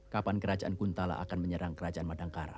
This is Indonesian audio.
kapan kerajaan guntala akan menyerang kerajaan madangkara